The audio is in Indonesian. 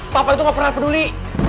papa itu gak pernah peduli